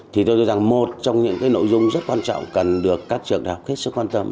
tôi nghĩ rằng một trong những nội dung rất quan trọng cần được các trường đại học kết sức quan tâm